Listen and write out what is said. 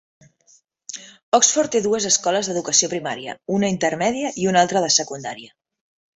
Oxford té dues escoles d'educació primària, una intermèdia i una altra de secundària.